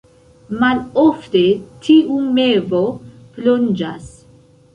Malofte tiu mevo plonĝas.